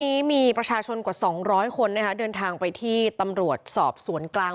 วันนี้มีประชาชนกว่า๒๐๐คนนะคะเดินทางไปที่ตำรวจสอบสวนกลาง